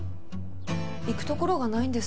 行く所がないんです。